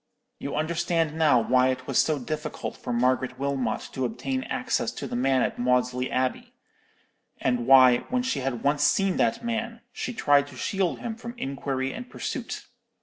You understand now why it was so difficult for Margaret Wilmot to obtain access to the man at Maudesley Abbey; and why, when she had once seen that man, she tried to shield him from inquiry and pursuit.